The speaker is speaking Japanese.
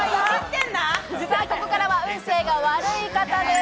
ここからは運勢が悪い方です。